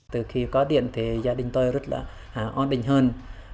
từ khi có điện thì gia đình tôi rất là an bình hơn